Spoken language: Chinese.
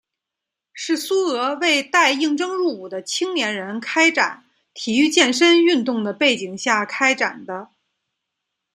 是苏俄为待应征入伍的青年人开展体育健身运动的背景下开展的。